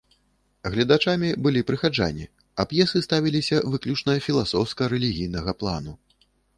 Гледачамі былі прыхаджане, а п'есы ставіліся выключна філасофска-рэлігійнага плану.